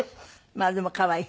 まあでも可愛い？